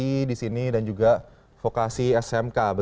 di sini dan juga vokasi smk